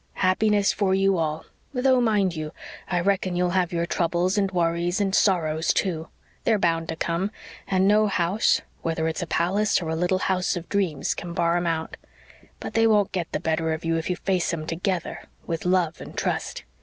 Happiness for you all though, mind you, I reckon you'll have your troubles and worries and sorrows, too. They're bound to come and no house, whether it's a palace or a little house of dreams, can bar 'em out. But they won't get the better of you if you face 'em TOGETHER with love and trust.